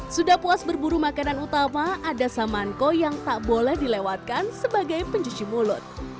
sudah puas berburu makanan utama ada samanko yang tak boleh dilewatkan sebagai pencuci mulut